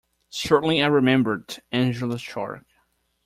Certainly I remembered Angela's shark.